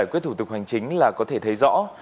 giải quyết thủ tục hành chính là có thể thấy rõ